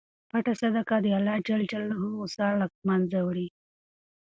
پټه صدقه د اللهﷻ غصه له منځه وړي.